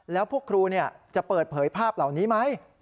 แล้วพวกครูจะเปิดเผยภาพเหล่านี้ไหม